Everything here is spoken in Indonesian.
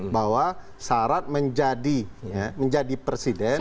bahwa sarat menjadi presiden